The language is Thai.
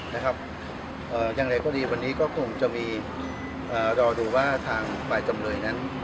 อย่างไรก็ดีวันนี้ก็คงจะมีรอดูว่าทางฝ่ายจำเลยนั้น